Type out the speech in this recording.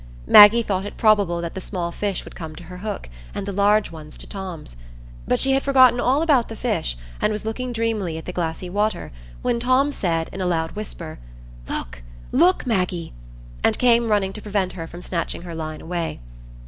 Maggie thought it probable that the small fish would come to her hook, and the large ones to Tom's. But she had forgotten all about the fish, and was looking dreamily at the glassy water, when Tom said, in a loud whisper, "Look, look, Maggie!" and came running to prevent her from snatching her line away.